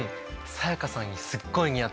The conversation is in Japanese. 才加さんにすっごい似合ってる。